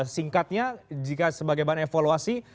singkatnya jika sebagai bahan evaluasi